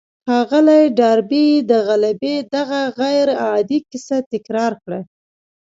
ښاغلي ډاربي د غلبې دغه غير عادي کيسه تکرار کړه.